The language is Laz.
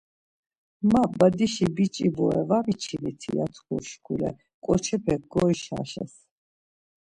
Ma Badişi biç̌i bore var miçiniti? ya tku şkule ǩoçepe goişaşes.